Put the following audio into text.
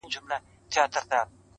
بل یې د نیکه کردار دی